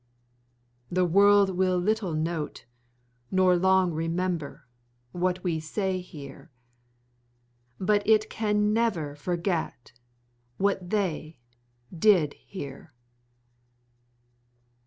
The world will little note, nor long remember, what we say here, but it can never forget what they did here.